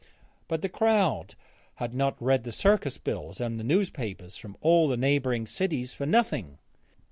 But the crowd had not read the circus bills and the newspapers from all the neighbouring cities for nothing.